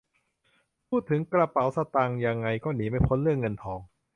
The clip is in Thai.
พูดถึงกระเป๋าสตางค์ยังไงก็หนีไม่พ้นเรื่องเงินทอง